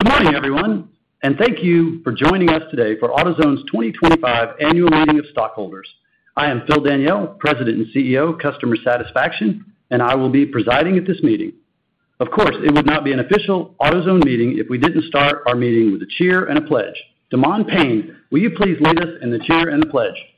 Good morning, everyone, and thank you for joining us today for AutoZone's 2025 Annual Meeting of Stockholders. I am Phil Daniele, President and CEO of AutoZone, and I will be presiding at this meeting. Of course, it would not be an official AutoZone meeting if we didn't start our meeting with a Cheer and a Pledge. Daman Payne, will you please lead us in the Cheer and the Pledge? Three, two, one, who's the best? AutoZone! Who's number one? The customer! AutoZone is always the customer first! We know our partners are so bright! We have the best merchandise at the right price! Thank you,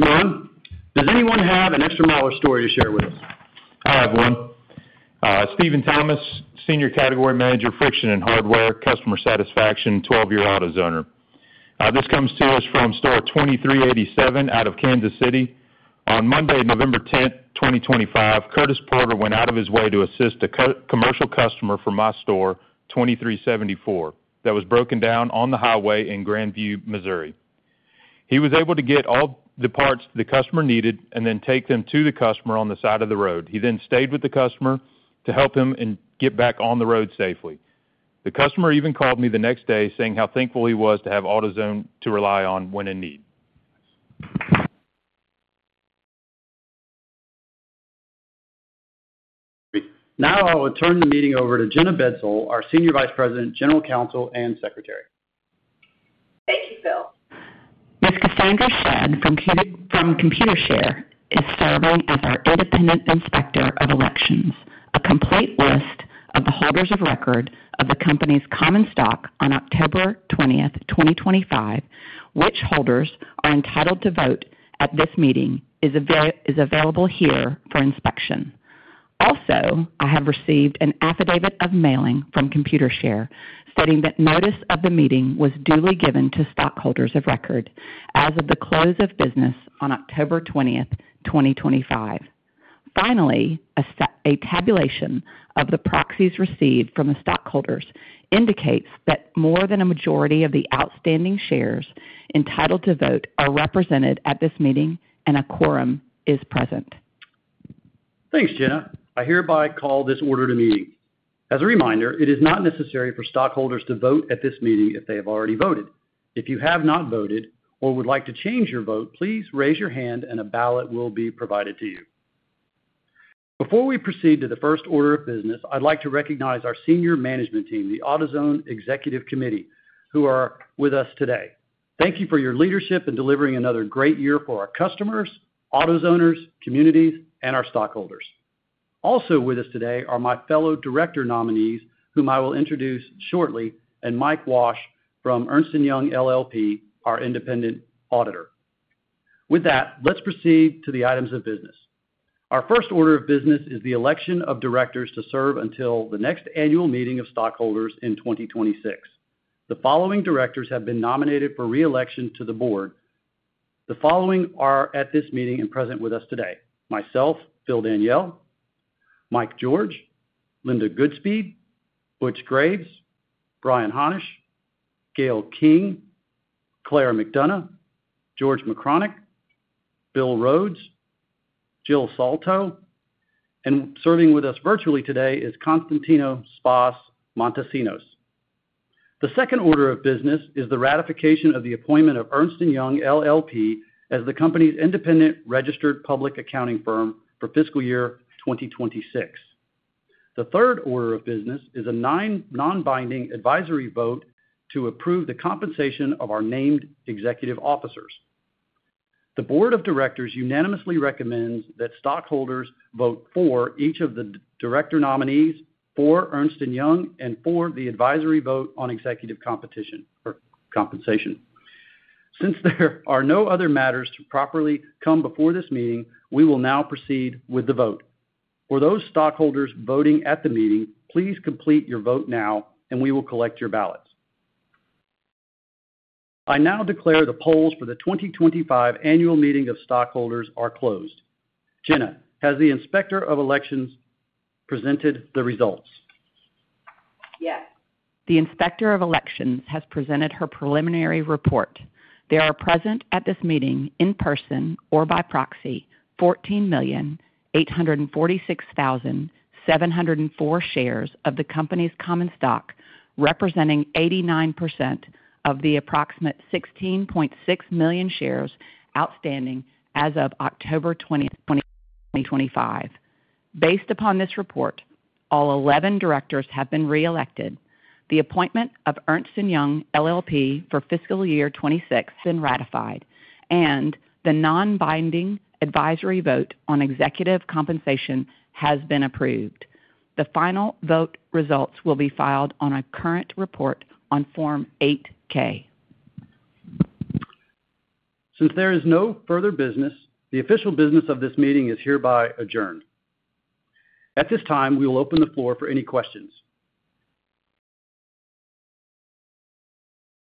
Daman. Does anyone have an extra mile or story to share with us? Hi, everyone. Stephen Thomas, Senior Category Manager, Friction and Hardware, Customer Satisfaction, 12-year AutoZoner. This comes to us from store 2387 out of Kansas City. On Monday, November 10th, 2025, Curtis Porter went out of his way to assist a commercial customer from my store, 2374, that was broken down on the highway in Grandview, Missouri. He was able to get all the parts the customer needed and then take them to the customer on the side of the road. He then stayed with the customer to help him and get back on the road safely. The customer even called me the next day, saying how thankful he was to have AutoZone to rely on when in need. Now I will turn the meeting over to Jenna Bedsole, our Senior Vice President, General Counsel, and Secretary. Thank you, Phil. Ms. Cassandra Shen from Computershare is serving as our Independent Inspector of Elections. A complete list of the holders of record of the company's common stock on October 20th, 2025, which holders are entitled to vote at this meeting, is available here for inspection. Also, I have received an affidavit of mailing from Computershare stating that notice of the meeting was duly given to stockholders of record as of the close of business on October 20th, 2025. Finally, a tabulation of the proxies received from the stockholders indicates that more than a majority of the outstanding shares entitled to vote are represented at this meeting, and a quorum is present. Thanks, Jenna. I hereby call this meeting to order. As a reminder, it is not necessary for stockholders to vote at this meeting if they have already voted. If you have not voted or would like to change your vote, please raise your hand, and a ballot will be provided to you. Before we proceed to the first order of business, I'd like to recognize our Senior Management Team, the AutoZone Executive Committee, who are with us today. Thank you for your leadership in delivering another great year for our customers, AutoZoners, communities, and our stockholders. Also with us today are my fellow director nominees, whom I will introduce shortly, and Mike Walsh from Ernst & Young LLP, our Independent Auditor. With that, let's proceed to the items of business. Our first order of business is the election of directors to serve until the next annual meeting of stockholders in 2026. The following directors have been nominated for re-election to the board. The following are at this meeting and present with us today: myself, Phil Daniele, Mike George, Linda Goodspeed, Butch Graves, Brian Hannasch, Gale King, Claire McDonough, George Mrkonic, Bill Rhodes, Jill Soltau, and serving with us virtually today is Constantino Spas Montesinos. The second order of business is the ratification of the appointment of Ernst & Young LLP as the company's Independent Registered Public Accounting Firm for fiscal year 2026. The third order of business is a non-binding advisory vote to approve the compensation of our Named Executive Officers. The Board of Directors unanimously recommends that stockholders vote for each of the director nominees, for Ernst & Young, and for the advisory vote on executive compensation. Since there are no other matters to properly come before this meeting, we will now proceed with the vote. For those stockholders voting at the meeting, please complete your vote now, and we will collect your ballots. I now declare the polls for the 2025 Annual Meeting of Stockholders are closed. Jenna, has the Inspector of Elections presented the results? Yes. The Inspector of Elections has presented her preliminary report. There are present at this meeting in person or by proxy 14,846,704 shares of the company's common stock, representing 89% of the approximate 16.6 million shares outstanding as of October 20th, 2025. Based upon this report, all 11 directors have been re-elected, the appointment of Ernst & Young LLP for fiscal year 2026 has been ratified, and the non-binding advisory vote on executive compensation has been approved. The final vote results will be filed on a current report on Form 8-K. Since there is no further business, the official business of this meeting is hereby adjourned. At this time, we will open the floor for any questions.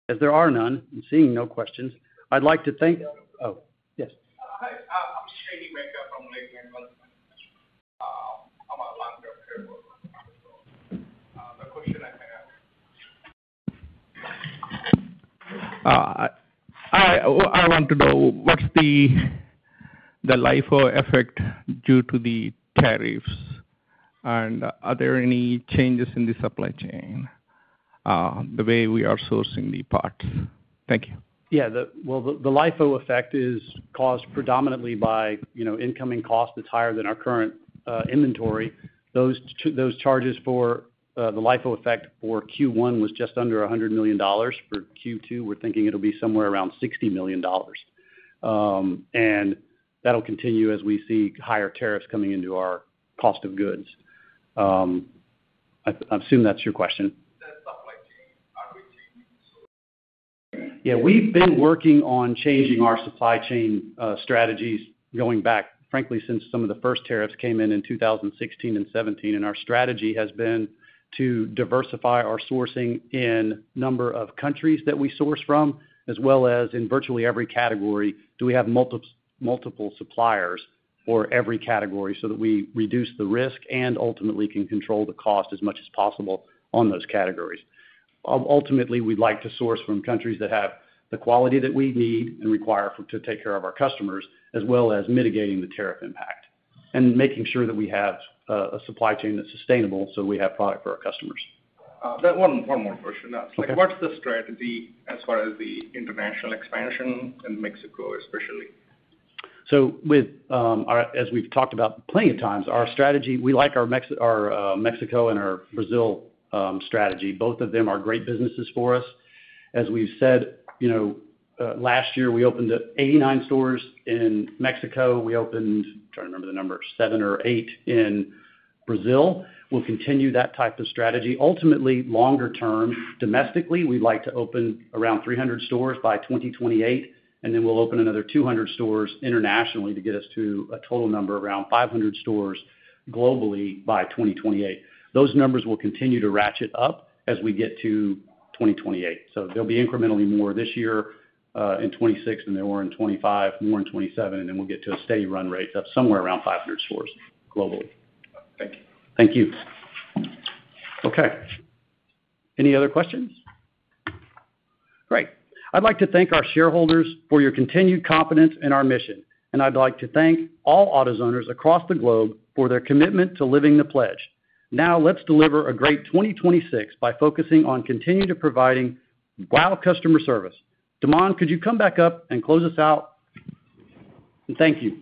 As there are none and seeing no questions, I'd like to thank—oh, yes. I want to know what's the LIFO effect due to the tariffs, and are there any changes in the supply chain, the way we are sourcing the parts? Thank you. Yeah, well, the LIFO effect is caused predominantly by, you know, incoming cost that's higher than our current inventory. Those charges for the LIFO effect for Q1 was just under $100 million. For Q2, we're thinking it'll be somewhere around $60 million, and that'll continue as we see higher tariffs coming into our cost of goods. I assume that's your question. Yeah, we've been working on changing our supply chain strategies going back, frankly, since some of the first tariffs came in in 2016 and 2017, and our strategy has been to diversify our sourcing in the number of countries that we source from, as well as in virtually every category. Do we have multiple suppliers for every category so that we reduce the risk and ultimately can control the cost as much as possible on those categories? Ultimately, we'd like to source from countries that have the quality that we need and require to take care of our customers, as well as mitigating the tariff impact and making sure that we have a supply chain that's sustainable so we have product for our customers. One more question. What's the strategy as far as the international expansion in Mexico, especially? So, with as we've talked about plenty of times, our strategy, we like our Mexico and our Brazil strategy. Both of them are great businesses for us. As we've said, you know, last year we opened 89 stores in Mexico. We opened, trying to remember the number, seven or eight in Brazil. We'll continue that type of strategy. Ultimately, longer term, domestically, we'd like to open around 300 stores by 2028, and then we'll open another 200 stores internationally to get us to a total number around 500 stores globally by 2028. Those numbers will continue to ratchet up as we get to 2028. There'll be incrementally more this year in 2026 than there were in 2025, more in 2027, and then we'll get to a steady run rate of somewhere around 500 stores globally. Thank you. Thank you. Okay. Any other questions? Great. I'd like to thank our shareholders for your continued confidence in our mission, and I'd like to thank all AutoZoners across the globe for their commitment to living the pledge. Now, let's deliver a great 2026 by focusing on continuing to provide WOW Customer Service. Daman, could you come back up and close us out? Thank you.